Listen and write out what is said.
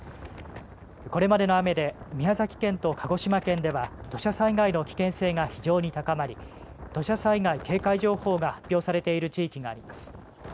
これまでの雨で宮崎県と鹿児島県では土砂災害の危険性が非常に高まり土砂災害警戒情報が発表されている地域があります。